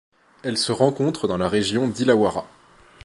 Elle se rencontre dans la région d'Illawarra.